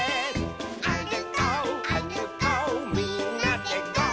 「あるこうあるこうみんなでゴー！」